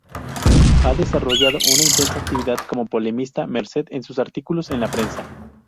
Ha desarrollado una intensa actividad como polemista merced a sus artículos en la prensa.